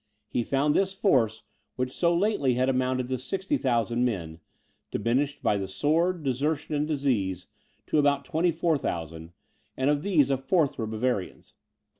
He found this force, which so lately had amounted to 60,000 men, diminished by the sword, desertion, and disease, to about 24,000, and of these a fourth were Bavarians.